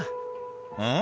「うん？